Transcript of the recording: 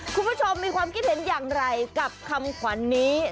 คุณผู้ชมมีความคิดเห็นอย่างไรกับคำขวัญนี้